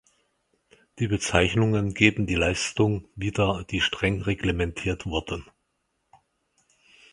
Die Bezeichnungen geben die Leistung wieder, die streng reglementiert wurde.